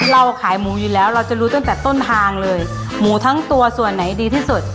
เราขายหมูอยู่แล้วเราจะรู้ตั้งแต่ต้นทางเลยหมูทั้งตัวส่วนไหนดีที่สุด